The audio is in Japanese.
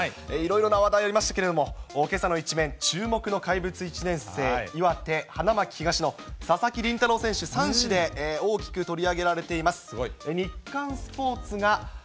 いろいろな話題ありましたけれども、けさの１面、注目の怪物１年生、岩手・花巻東の佐々木麟太郎選手、３紙で大きく取り上げられています。